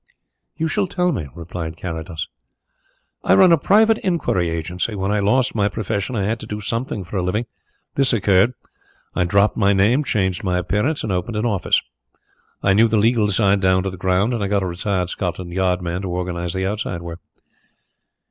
"You shall tell me," replied Carrados. "I run a private inquiry agency. When I lost my profession I had to do something for a living. This occurred. I dropped my name, changed my appearance and opened an office. I knew the legal side down to the ground and I got a retired Scotland Yard man to organize the outside work."